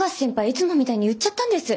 いつもみたいに言っちゃったんです。